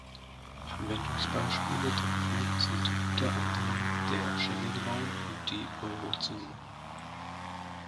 Anwendungsbeispiele dafür sind unter anderen der Schengen-Raum und die Eurozone.